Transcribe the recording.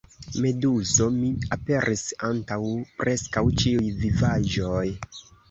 Meduzo: "Mi aperis antaŭ preskaŭ ĉiuj vivaĵoj!"